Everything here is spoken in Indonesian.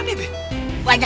cepet banget gerakannya be